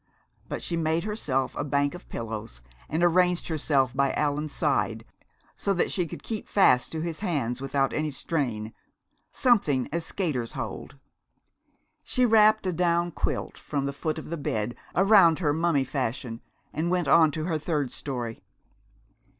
But she made herself a bank of pillows, and arranged herself by Allan's side so that she could keep fast to his hands without any strain, something as skaters hold. She wrapped a down quilt from the foot of the bed around her mummy fashion and went on to her third story.